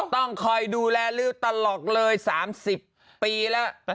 ต้องคอยดูแลริวตลอดเลย๓๐ปีแล้ว